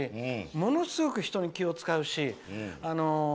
ものすごく人に気を使うし。